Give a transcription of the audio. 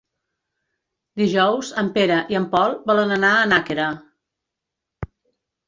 Dijous en Pere i en Pol volen anar a Nàquera.